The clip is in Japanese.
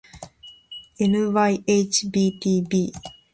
ｎｙｈｂｔｂ